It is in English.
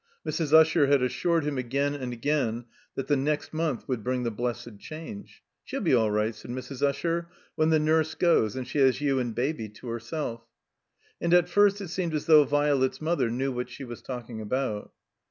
Mrs. Usher had assured him again and again that the next month wotild bring the blessed change. "She'U be all right," said Mrs. Usher, ''when the nurse goes and she has you and Baby to herself." And at first it seemed as though Violet's mother knew what she was talking about.